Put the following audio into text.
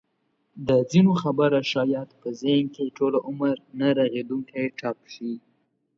د ځینو خبره شاید په ذهن کې ټوله عمر نه رغېدونکی ټپ شي.